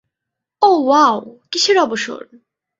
ওহ, wow কিসের অবসর?